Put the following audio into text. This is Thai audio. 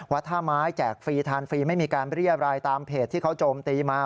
ท่าไม้แจกฟรีทานฟรีไม่มีการเรียบรายตามเพจที่เขาโจมตีมา